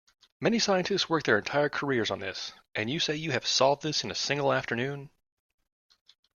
Many scientists work their entire careers on this, and you say you have solved this in a single afternoon?